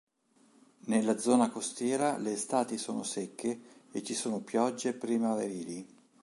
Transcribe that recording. Nella zona costiera le estati sono secche e ci sono piogge primaverili.